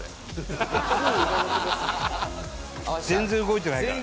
全然動いてないからね。